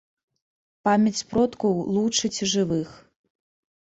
Памяць продкаў лучыць жывых.